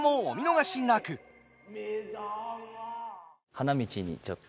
花道にちょっと。